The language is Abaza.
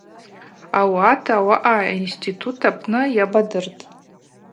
Ауат ауаъа аинститут апны йабадыртӏ.